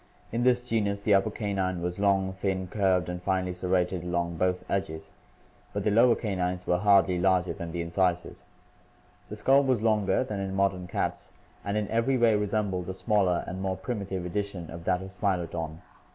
In this genus the upper canine was long, thin, curved, and finely serrated along both edges, but the lower canines were hardly larger than the incisors. The skull was longer than in modern cats and in every t& MODERNIZED MAMMALS AND CARNIVORES 573 way resembled a smaller and more primitive edition of that of Smilodon.